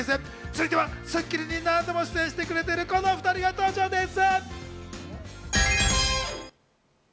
続いては『スッキリ』に何度も出演してくれているこの２人が登場です。